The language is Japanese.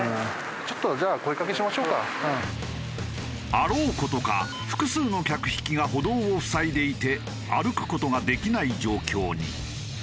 あろう事か複数の客引きが歩道を塞いでいて歩く事ができない状況に。